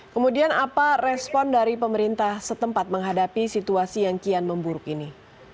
kemudian apa respon dari pemerintah setempat menghadapi situasi yang kian memburuk ini